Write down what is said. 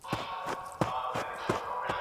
آیا ټول کروندګر په ژوندپوهنه پوهېږي؟